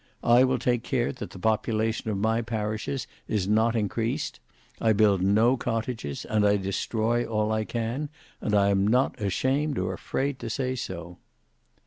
I will take care that the population of my parishes is not increased. I build no cottages and I destroy all I can; and I am not ashamed or afraid to say so."